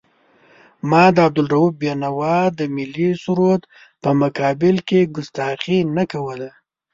ما د عبدالرؤف بېنوا د ملي سرود په مقابل کې کستاخي نه کوله.